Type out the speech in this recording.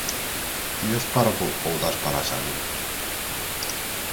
Ti es parvo ou dás para as ánimas?